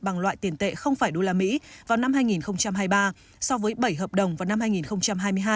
bằng loại tiền tệ không phải đô la mỹ vào năm hai nghìn hai mươi ba so với bảy hợp đồng vào năm hai nghìn hai mươi hai